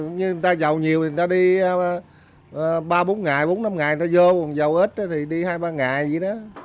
như người ta giàu nhiều người ta đi ba bốn ngày bốn năm ngày người ta vô còn dầu ít thì đi hai ba ngày vậy đó